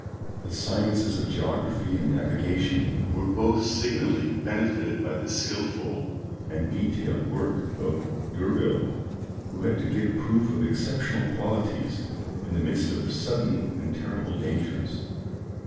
The sciences of geography and navigation were both signally benefited by the skilful and detailed work of D'Urville, who had to give proof of exceptional qualities in the midst of sudden and terrible dangers.